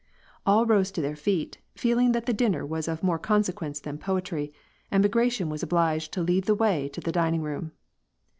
All rose to their feet, feeling that the dinner was of more consequence than poetry, and Bagration was obliged to lead the way to the dining room.